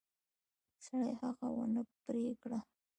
سړي هغه ونه پرې کړه.